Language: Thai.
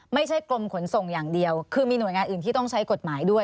ไม่ใช่กรมขนส่งอย่างเดียวคือมีหน่วยงานอื่นที่ต้องใช้กฎหมายด้วย